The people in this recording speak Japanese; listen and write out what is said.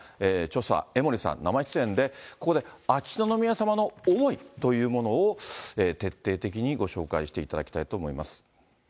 著者、江森さん、生出演で、ここで秋篠宮さまの思いというものを、徹底的にご紹介していただきたいと思います。